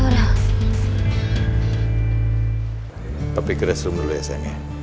tapi ke restroom dulu ya sayangnya